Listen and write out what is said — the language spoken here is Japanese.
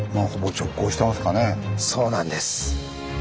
そうなんです。